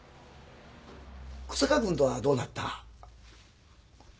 日下君とはどうなった？